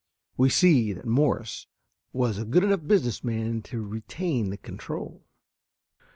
We see that Morse was a good enough business man to retain the control.